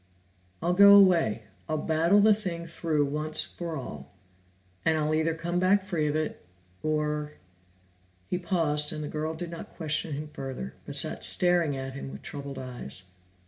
"I'll go away. I'll battle the thing through once for all, and I'll either come back free of it or " He paused and the girl did not question him further, but sat staring at him with troubled eyes.